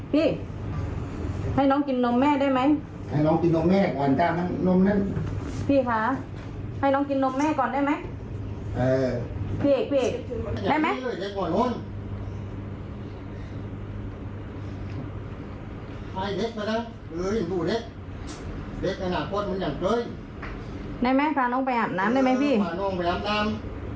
พี่ให้น้องกินนมแม่ได้ไหมให้น้องกินนมแม่ก่อนได้ไหมผิกได้ไหม